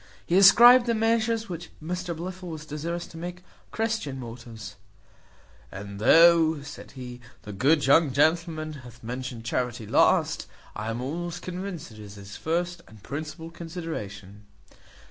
He ascribed the measures which Mr Blifil was desirous to take to Christian motives; "and though," says he, "the good young gentleman hath mentioned charity last, I am almost convinced it is his first and principal consideration."